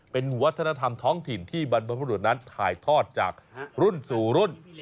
เป็นวัฒนธรรมท้องถิ่นที่บรรพบุรุษนั้นถ่ายทอดจากรุ่นสู่รุ่น